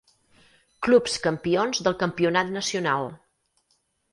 Clubs campions del campionat nacional.